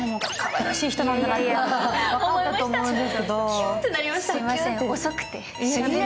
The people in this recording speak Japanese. キュンーンとなりました。